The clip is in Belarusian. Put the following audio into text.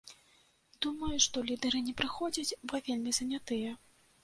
Думаю, што лідары не прыходзяць, бо вельмі занятыя.